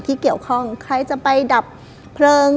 ที่เกี่ยวข้องใครจะไปดับเพลิง